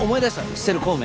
シセル光明。